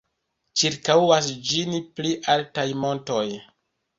Ĉirkaŭas ĝin pli altaj montoj.